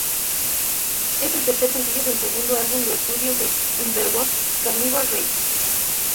Es el tercer sencillo del segundo álbum de estudio de Underwood, Carnival Ride.